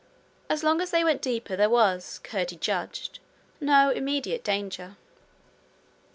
As long as they went deeper there was, Curdie judged, no immediate danger.